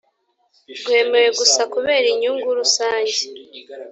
rwemewe gusa kubera inyungu rusange